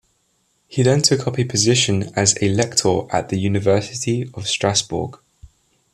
He then took up a position as a lector at the University of Strasbourg.